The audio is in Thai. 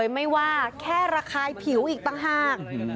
ไม่ว่าแค่ระคายผิวอีกต่างหาก